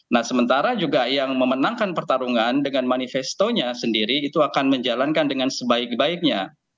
nah sementara juga yang memenangkan pertarungan dengan manifestonya sendiri itu akan menjalankan dengan sebaik baiknya